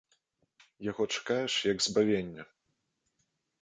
Яго чакаеш як збавення.